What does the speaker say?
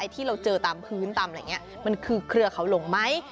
ที่เราเจอตามพื้นตามอะไรอย่างนี้มันคือเครือเขาหลงไหม